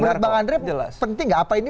menurut bang andre penting nggak apa ini